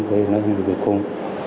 đây là mình cùng